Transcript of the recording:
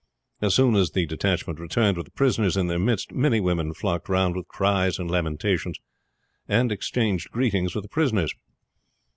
As soon as the detachment returned with the prisoners in their midst many women flocked round with cries and lamentations, and exchanged greetings with the prisoners.